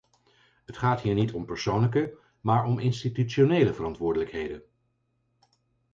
Het gaat hier niet om persoonlijke, maar om institutionele verantwoordelijkheden.